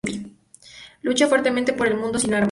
Lucha fuertemente por un mundo sin armas.